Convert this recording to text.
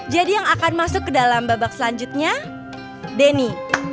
jadi yang akan masuk ke dalam babak selanjutnya denny